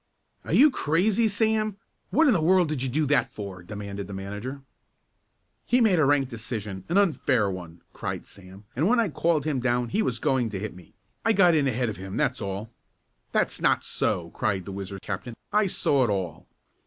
"Are you crazy, Sam? What in the world did you do that for?" demanded the manager. "He made a rank decision, an unfair one!" cried Sam, "and when I called him down he was going to hit me. I got in ahead of him that's all." "That's not so!" cried the Whizzer captain. "I saw it all."